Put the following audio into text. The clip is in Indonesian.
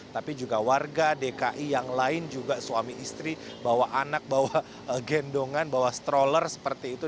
tapi juga warga dki yang lain juga suami istri bawa anak bawa gendongan bawa stroller seperti itu